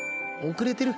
遅れてる。